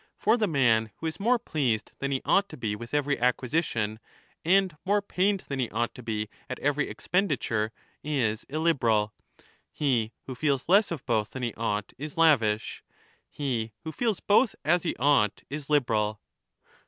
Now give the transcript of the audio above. For the man who is more pleased than he ought to be with every acquisition and more pained than 30 he ought to be at every expenditure is illiberal ; he who feels less of both than he ought is lavish ; he who feels both as he ought is liberal.